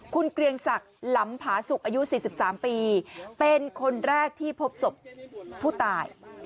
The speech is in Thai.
คุณเกรียงศักดิ์หลำผาสุกอายุ๔๓ปีเป็นคนแรกที่พบศพผู้ตาย